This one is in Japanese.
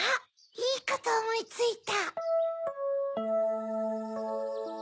いいことおもいついた！